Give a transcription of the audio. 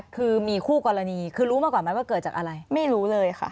คือมีคู่กรณีคือรู้มาก่อนไหมว่าเกิดจากอะไรไม่รู้เลยค่ะ